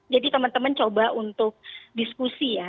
jadi teman teman coba untuk diskusi ya